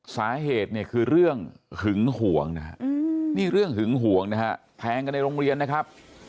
สาเหตุเนี่ยคือเรื่องหึงห่วงนะฮะนี่เรื่องหึงห่วงนะฮะแทงกันในโรงเรียนนะครับ